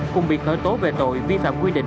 cùng biệt nội tố về tội vi phạm quy định